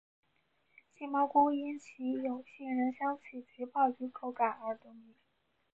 杏鲍菇因其有杏仁香气及鲍鱼口感而得名。